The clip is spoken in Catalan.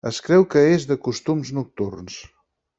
Es creu que és de costums nocturns.